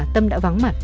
tâm đã vắng mặt